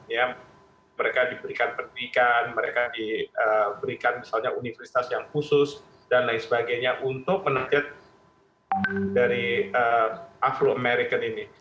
ya mereka diberikan pendidikan mereka diberikan misalnya universitas yang khusus dan lain sebagainya untuk menajat dari afro american ini